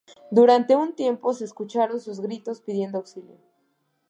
Durante un tiempo se escucharon sus gritos pidiendo auxilio.